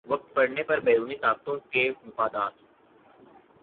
وقت پڑنے پر بیرونی طاقتوں کے مفادات